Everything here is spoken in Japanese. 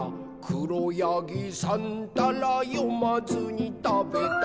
「しろやぎさんたらよまずにたべた」